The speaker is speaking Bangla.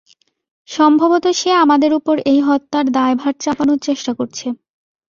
সম্ভবত সে আমাদের ওপর এই হত্যার দায়ভার চাপানোর চেষ্টা করছে।